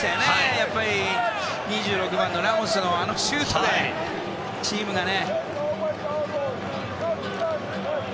やっぱり２６番のラモスのあのシュートでチームがね。